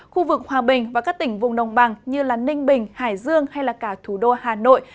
khu vực hòa bình và các tỉnh vùng đồng bằng như ninh bình hải dương hay cả thủ đô hà nội